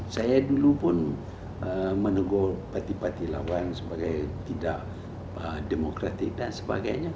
saya dulu pun menegur peti peti lawan sebagai tidak demokratik dan sebagainya